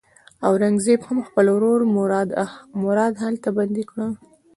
اورنګزېب هم خپل ورور مراد هلته بندي کړ.